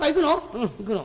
「うん行くの」。